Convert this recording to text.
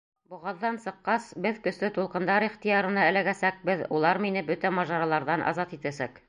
Боғаҙҙан сыҡҡас, беҙ көслө тулҡындар ихтыярына эләгәсәкбеҙ, улар мине бөтә мажараларҙан азат итәсәк.